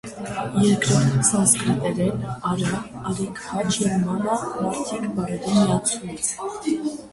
Երկրորդ, սանսկրիտերեն արա՝ «արի», «քաջ» և մանա՝ «մարդիկ» բառերի միացումից։